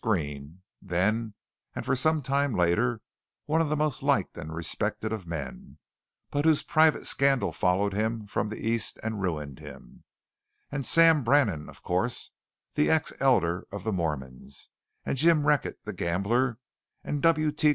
Green, then and for some time later, one of the most liked and respected of men, but whose private scandal followed him from the East and ruined him; and Sam Brannan, of course, the ex elder of the Mormons; and Jim Reckett, the gambler; and W. T.